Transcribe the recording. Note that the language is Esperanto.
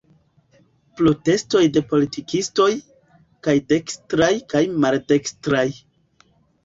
Protestoj de politikistoj, kaj dekstraj kaj maldekstraj.